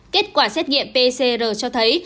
kết quả xét nghiệm pcr cho thấy